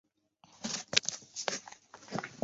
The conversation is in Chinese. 没有完全发酵的新酒被称为发酵果酒。